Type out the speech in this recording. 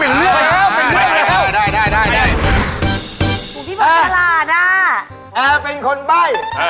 เป็นเรื่องแล้วเป็นเรื่องแล้ว